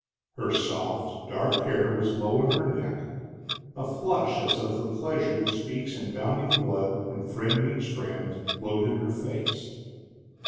Her soft dark hair was low on her neck, a flush as of the pleasure that speaks in bounding blood when friend meets friend glowed in her face.